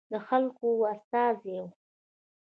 د خلکو استازي وو.